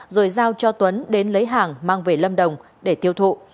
rồi giao cho tuấn đến lấy hàng mang về lâm đồng để tiêu thụ